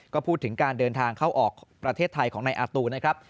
ก็พูดถึงการเดินทางเข้าออกประเทศไทยของนายอาตูนะครับ